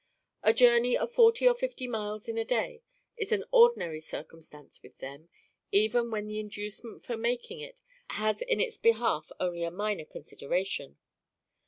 A journey of forty or fifty miles in a day is an ordinary circumstance with them, even when the inducement for making it has in its behalf only a minor consideration.